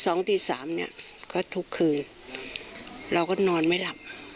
สองตีสามเนี้ยก็ทุกคืนเราก็นอนไม่หลับ